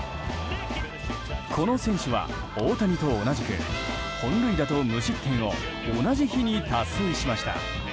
この選手は、大谷と同じく本塁打と無失点を同じ日に達成しました。